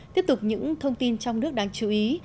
tiếp tục những thông tin trong nước đáng chú ý